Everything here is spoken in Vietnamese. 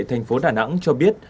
thành phố đà nẵng cho biết